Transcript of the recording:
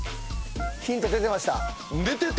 ヒント出てました。